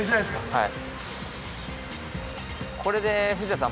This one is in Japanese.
はい。